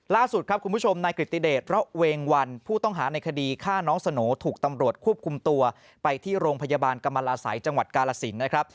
ล่าสุดครับคุณผู้ชมนายกริติเดชระเวงวันผู้ต้องหาในคดีฆ่าน้องสโหน่ถูกตำรวจควบคุมตัวไปที่โรงพยาบาลกรรมลาศัยจังหวัดกาลสินนะครับ